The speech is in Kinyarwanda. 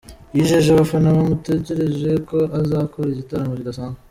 Yijeje abafana bamutegereje ko azakora igitaramo kidasanzwe.